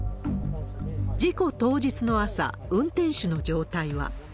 事故当日の朝、運転手の状態は。